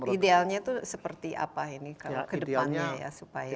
idealnya itu seperti apa ini kalau kedepannya ya